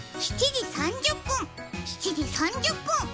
７時３０分、７時３０分